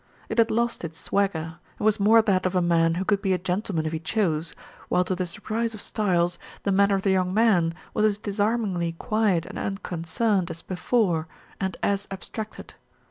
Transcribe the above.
It had lost its swagger, and was more that of a man who could be a gentleman if he chose, while to the surprise of Stiles the manner of the young man was as disarmingly quiet and unconcerned as before, and as abstracted.